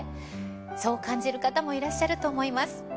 そう感じる方もいらっしゃると思います。